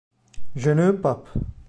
Jenő Pap